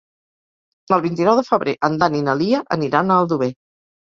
El vint-i-nou de febrer en Dan i na Lia aniran a Aldover.